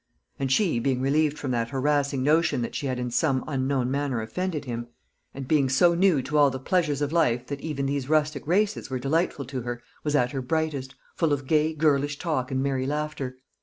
And she, being relieved from that harassing notion that she had in some unknown manner offended him, and being so new to all the pleasures of life that even these rustic races were delightful to her, was at her brightest, full of gay girlish talk and merry laughter.